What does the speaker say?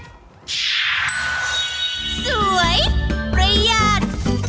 สวยประหยัด